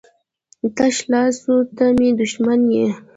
تشه لاسو ته مې دښمن یې.